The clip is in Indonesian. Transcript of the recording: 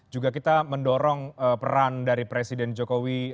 juga kita mendorong peran dari presiden jokowi